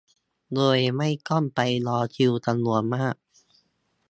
โดยไม่ต้องไปรอคิวจำนวนมาก